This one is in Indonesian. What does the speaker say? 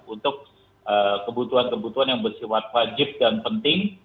untuk kebutuhan kebutuhan yang bersifat wajib dan penting